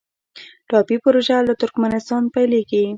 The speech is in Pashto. ټاپي پروژه له ترکمنستان پیلیږي